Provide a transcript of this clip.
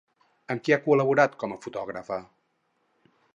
Amb qui ha col·laborat com a fotògrafa?